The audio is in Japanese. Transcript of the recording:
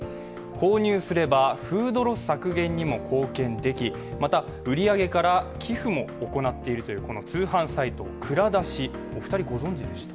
購入すればフードロス削減にも貢献でき、また、売り上げから寄付も行っているというこの通販サイトＫＵＲＡＤＡＳＨＩお二人ご存じでした？